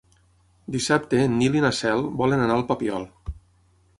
Dissabte en Nil i na Cel volen anar al Papiol.